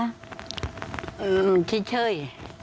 อืมชิ้นเช่ย